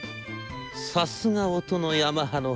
『さすが音のヤマハの半導体。